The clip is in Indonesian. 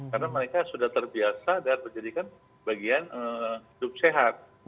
karena mereka sudah terbiasa dengan menjadikan bagian hidup sehat